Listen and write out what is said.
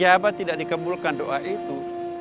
jadi ijabat tidak dikembulkan doa itu